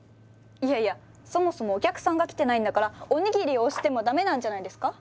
いやいやそもそもお客さんが来てないんだからおにぎりを推しても駄目なんじゃないですか？